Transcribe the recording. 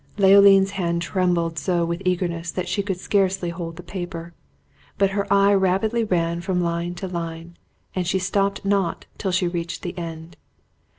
Leoline's hand trembled so with eagerness, she could scarcely hold the paper; but her eye rapidly ran from line to line, and she stopped not till she reached the end.